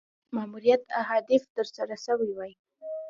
ماموریت اهداف تر سره سوي وای.